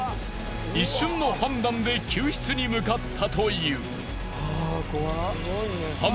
一瞬の判断で救出に向かったという。